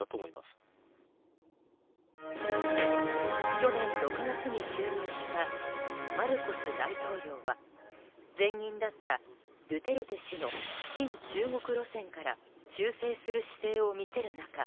去年６月に就任したマルコス大統領は前任だったドゥテルテ氏の親中国路線だった修正する姿勢を見せる中